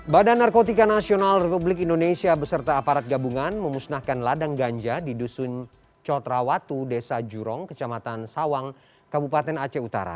badan narkotika nasional republik indonesia beserta aparat gabungan memusnahkan ladang ganja di dusun cotrawatu desa jurong kecamatan sawang kabupaten aceh utara